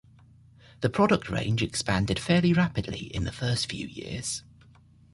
The product range expanded fairly rapidly in the first few years.